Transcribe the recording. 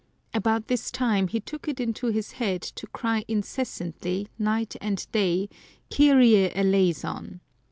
About this time he took it into his head to cry incessantly, night and day, " Kyrie eleison